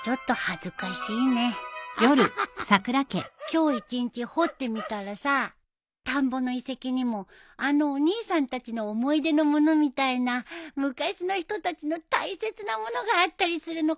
今日一日掘ってみたらさ田んぼの遺跡にもあのお兄さんたちの思い出のものみたいな昔の人たちの大切なものがあったりするのかなって思ったよ。